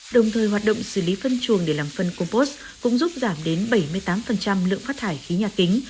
đồng thời hoạt động xử lý phân chuồng để làm phân compost cũng giúp giảm đến bảy mươi tám lượng phát thải khí nhà kính